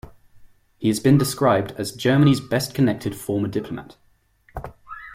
He has been described as "Germany's best-connected former diplomat".